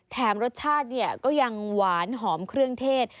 แถมรสชาติเนี่ยก็ยังหวานหอมเครื่องเทศ